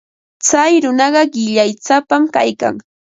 Tsay runaqa qillaysapam kaykan.